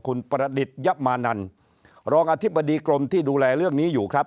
คุณประดิษฐยับมานันรองอธิบดีกรมที่ดูแลเรื่องนี้อยู่ครับ